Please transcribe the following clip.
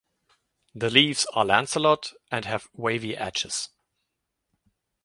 The leaves are lanceolate and have wavy edges.